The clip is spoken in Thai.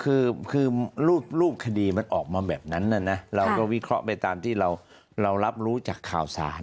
คือรูปคดีมันออกมาแบบนั้นนะเราก็วิเคราะห์ไปตามที่เรารับรู้จากข่าวสาร